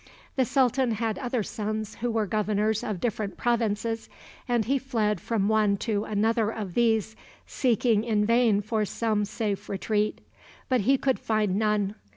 The sultan had other sons who were governors of different provinces, and he fled from one to another of these, seeking in vain for some safe retreat. But he could find none.